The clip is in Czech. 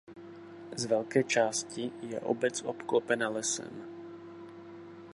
Z velké části je obec obklopena lesem.